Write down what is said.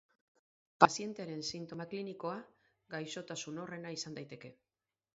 Pazientearen sintoma klinikoa gaixotasun horrena izan daiteke.